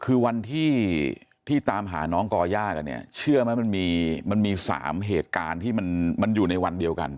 คือวันที่ตามหาน้องก่อย่ากันเนี่ยเชื่อไหมมันมี๓เหตุการณ์ที่มันอยู่ในวันเดียวกัน